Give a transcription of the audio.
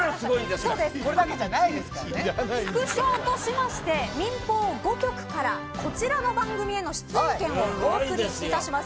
副賞として民放５局からこちらの番組への出演権を進呈します。